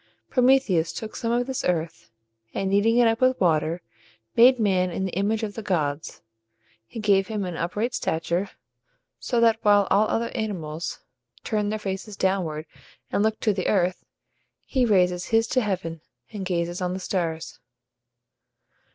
Prometheus took some of this earth, and kneading it up with water, made man in the image of the gods. He gave him an upright stature, so that while all other animals turn their faces downward, and look to the earth, he raises his to heaven, and gazes on the stars.